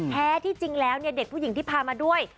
แท้ที่จริงแล้วเด็กผู้หญิงที่พามาด้วย